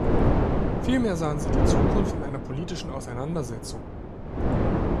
Vielmehr sahen sie die Zukunft in der politischen Auseinandersetzung.